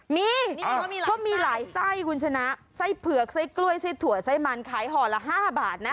มีเขามีหลายไส้คุณชนะไส้เผือกไส้กล้วยไส้ถั่วไส้มันขายห่อละ๕บาทนะ